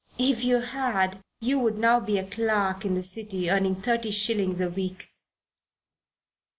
"If you had, you would now be a clerk in the City earning thirty shillings a week."